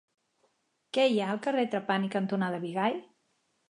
Què hi ha al carrer Trapani cantonada Bigai?